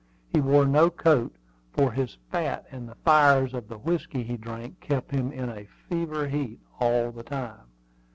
He wore no coat, for his fat and the fires of the whiskey he drank kept him in a fever heat all the time.